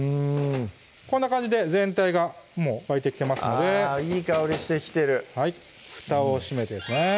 こんな感じで全体がもう沸いてきてますのでいい香りしてきてるはい蓋を閉めてですね